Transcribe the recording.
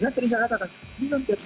ini tidak sering dikatakan